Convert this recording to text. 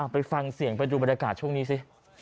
ไปฟังเสียงไปดูบรรยากาศช่วงนี้สิ